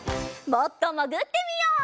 もっともぐってみよう。